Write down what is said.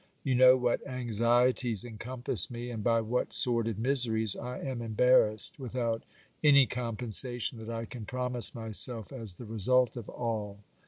You know what anxieties encompass me, and by what sordid miseries I am embarrassed, without any compensation that I can promise myself as the result of all.